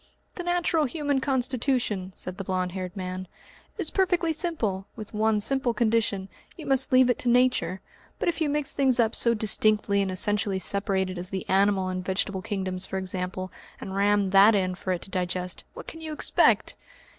"The natural human constitution," said the blond haired man, "is perfectly simple, with one simple condition you must leave it to Nature. But if you mix up things so distinctly and essentially separated as the animal and vegetable kingdoms for example, and ram that in for it to digest, what can you expect?